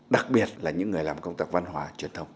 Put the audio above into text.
đặc biệt là những người làm công tác văn hóa truyền thông